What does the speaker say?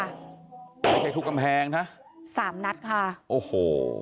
ไม่ใช่ทุกกำแพงนะสามนัดค่ะโอ้โห